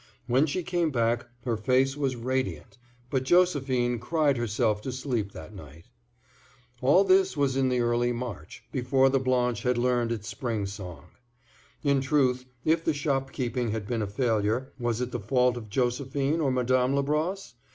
When she came back her face was radiant, but Josephine cried herself to sleep that night. All this was in the early March, before the Blanche had learned its spring song. In truth, if the shopkeeping had been a failure, was it the fault of Josephine or Madame Labrosse?